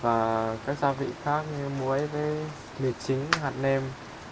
và các gia vị khác như muối mì chính hạt nêm